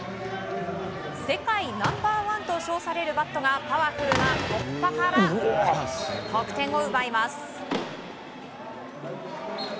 世界ナンバー１と称されるバットがパワフルな突破から得点を奪います。